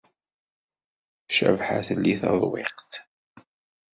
Cabḥa telli taḍwiqt.